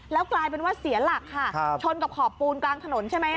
แล้วกลายเป็นว่าเสียหลักค่ะชนกับขอบปูนกลางถนนใช่ไหม